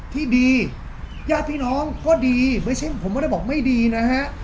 ที่ดีย่าพี่น้องโคตรดีไม่ใช่ผมว่าได้บอกไม่ดีนะฮะ